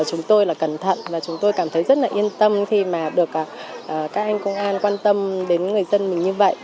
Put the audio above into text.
chúng tôi là cẩn thận và chúng tôi cảm thấy rất là yên tâm khi mà được các anh công an quan tâm đến người dân mình như vậy